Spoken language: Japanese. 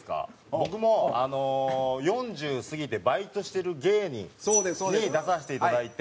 僕もあの４０過ぎてバイトしてる芸人に出させていただいて。